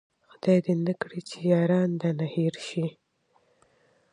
خداې دې نه کړي چې ياران د ده نه هير شي